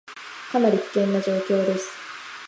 かなり危険な状況です